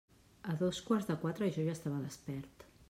A dos quarts de quatre, jo ja estava despert.